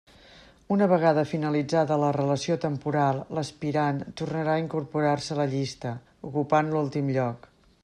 Una vegada finalitzada la relació temporal, l'aspirant tornarà a incorporar-se a la llista, ocupant l'últim lloc.